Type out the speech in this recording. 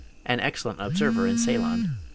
An excellent observer in Ceylon, Mr. E.